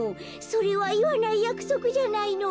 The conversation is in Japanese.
「それはいわないやくそくじゃないの。